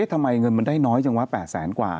ทำไมเงินมันได้น้อยจังวะ๘แสนกว่า